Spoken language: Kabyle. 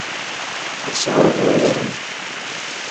Yesɛa uguren?